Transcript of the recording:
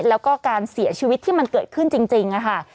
แล้วก็การเสียชีวิตที่มันเกิดขึ้นจริงค่ะ